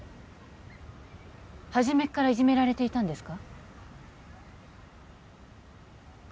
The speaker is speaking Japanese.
初めっからいじめられていたんですか？